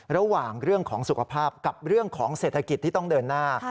ระหว่างเรื่องของสุขภาพกับเรื่องของเศรษฐกิจที่ต้องเดินหน้า